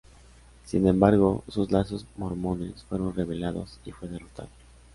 Sin embargo, sus lazos mormones fueron revelados y fue derrotado.